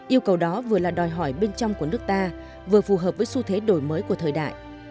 yêu cầu đó vừa là đòi hỏi bên trong của nước ta vừa phù hợp với xu thế đổi mới của thời đại